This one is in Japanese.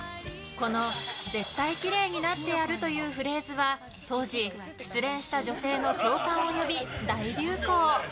この「絶対きれいになってやる」というフレーズは当時、失恋した女性の共感を呼び大流行。